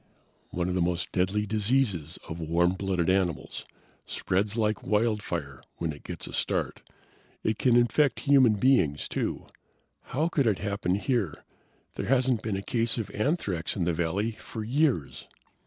"One of the most deadly diseases of warm blooded animals. Spreads like wildfire when it gets a start. It can infect human beings, too. How could it happen here? There hasn't been a case of anthrax in the valley for years!"